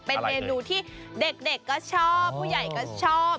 เป็นเมนูที่เด็กก็ชอบผู้ใหญ่ก็ชอบ